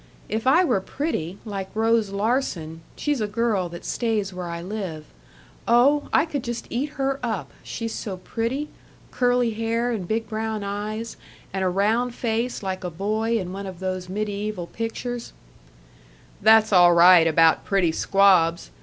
If I were pretty, like Rose Larsen she's a girl that stays where I live oh! I could just eat her up, she's so pretty, curly hair and big brown eyes and a round face like a boy in one of those medieval pictures " "That's all right about pretty squabs.